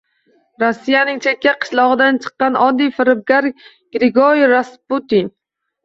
Rossiyaning chekka qishlog‘idan chiqqan oddiy firibgar Grigoriy Rasputin